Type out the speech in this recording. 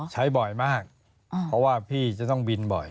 ใช้บ่อยมากเพราะว่าพี่จะต้องบินบ่อย